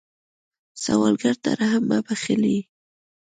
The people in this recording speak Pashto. سوالګر ته رحم مه بخلئ